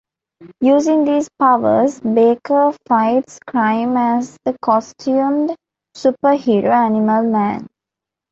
Using these powers, Baker fights crime as the costumed superhero Animal Man.